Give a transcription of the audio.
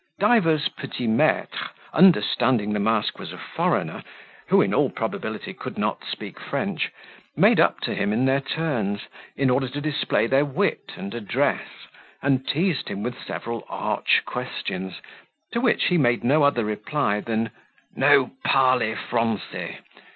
Divers petit maitres, understanding the mask was a foreigner, who in all probability could not speak French, made up to him in their turns, in order to display their wit and address, and teased him with several arch questions, to which he made no other reply than "No parly Francy.